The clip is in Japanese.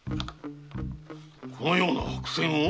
このような白扇を？